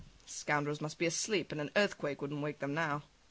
The scoundrels must be asleep, and an earthquake wouldn't wake them now!